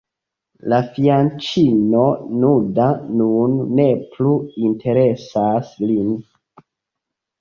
La fianĉino nuda nun ne plu interesas lin.